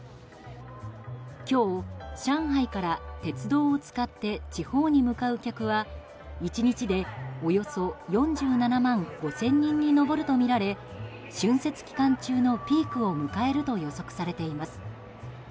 今日、上海から鉄道を使って地方に向かう客は１日でおよそ４７万５０００人に上るとみられ春節期間中のピークを迎えると予測されています。